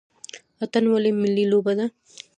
اتن ولې ملي لوبه ده؟